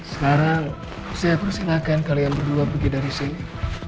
sekarang saya persilahkan kalian berdua pergi dari sini